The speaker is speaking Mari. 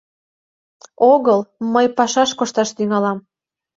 — Огыл... мый пашаш кошташ тӱҥалам.